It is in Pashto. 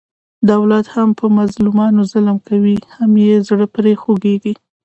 دولت هم په مظلومانو ظلم کوي، هم یې زړه پرې خوګېږي.